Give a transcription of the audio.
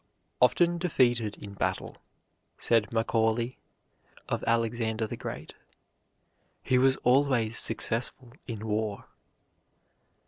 "Often defeated in battle," said Macaulay of Alexander the Great, "he was always successful in war."